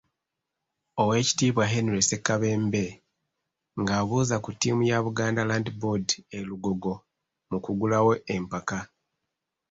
Oweekitiibwa Henry Ssekabembe ng'abuuza ku ttiimu ya Buganda Land Board e Lugogo mu kuggulawo empaka.